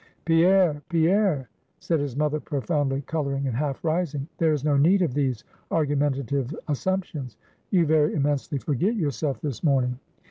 "Pierre! Pierre!" said his mother, profoundly coloring, and half rising; "there is no need of these argumentative assumptions. You very immensely forget yourself this morning."